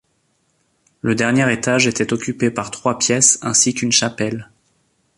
Le dernier étage était occupé par trois pièces ainsi qu'une chapelle.